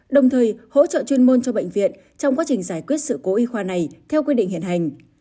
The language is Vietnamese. đồng thời hỗ trợ chuyên môn cho bệnh viện trong quá trình giải quyết sự cố y khoa này theo quy định hiện hành